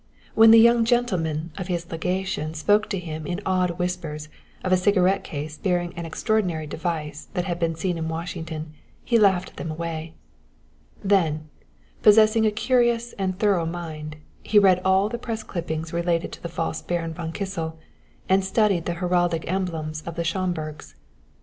When the young gentlemen of his legation spoke to him in awed whispers of a cigarette case bearing an extraordinary device that had been seen in Washington he laughed them away; then, possessing a curious and thorough mind, he read all the press clippings relating to the false Baron von Kissel, and studied the heraldic emblems of the Schomburgs.